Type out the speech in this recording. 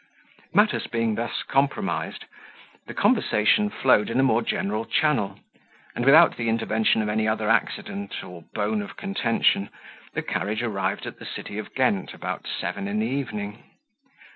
Matters being thus compromised, the conversation flowed in a more general channel; and without the intervention of any other accident or bone of contention, the carriage arrived at the city of Ghent about seven in the evening.